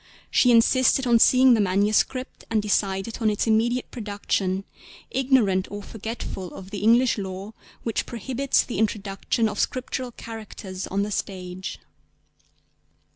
She insisted on seeing the manuscript, and decided on its immediate production, ignorant or forgetful of the English law which prohibits the introduction of Scriptural characters on the stage.